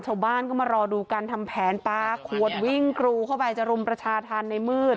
ชาวบ้านก็มารอดูการทำแผนปลาขวดวิ่งกรูเข้าไปจะรุมประชาธรรมในมืด